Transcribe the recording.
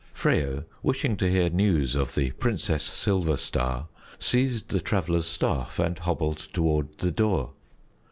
Freyo, wishing to hear news of the Princess Silverstar, seized the Traveler's staff and hobbled toward the door.